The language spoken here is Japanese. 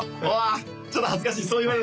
うわあちょっと恥ずかしい。